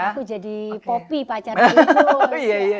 aku jadi poppy pacar di lupus